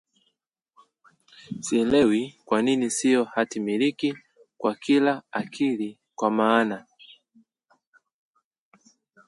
sielewi kwa nini sio hati miliki kwa kila akili Kwa maana